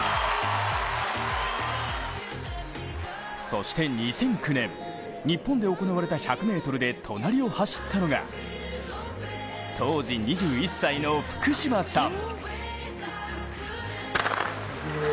そして２００９年、日本で行われた１００ｍで隣を走ったのが当時２１歳の福島さん。